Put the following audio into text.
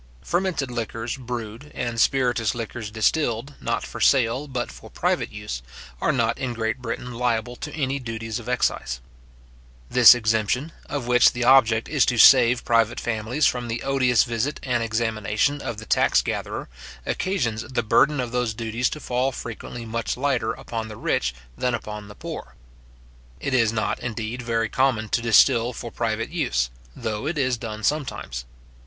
Fermented liquors brewed, and spiritous liquors distilled, not for sale, but for private use, are not in Great Britain liable to any duties of excise. This exemption, of which the object is to save private families from the odious visit and examination of the tax gatherer, occasions the burden of those duties to fall frequently much lighter upon the rich than upon the poor. It is not, indeed, very common to distil for private use, though it is done sometimes.